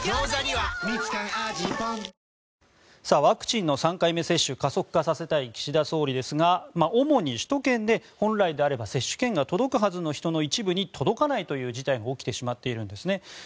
ワクチンの３回目接種加速化させたい岸田総理ですが主に首都圏で本来であれば接種券が届くはずの人の一部に届かないという事態が起きてしまっているんですね。